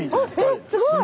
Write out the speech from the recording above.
すごい！